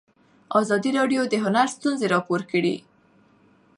ازادي راډیو د هنر ستونزې راپور کړي.